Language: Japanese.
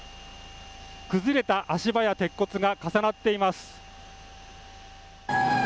崩れた足場や鉄骨が重なっています。